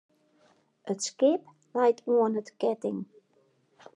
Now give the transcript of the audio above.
It skip leit oan 't keatling.